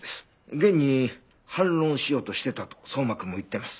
現に反論しようとしてたと相馬くんも言ってます。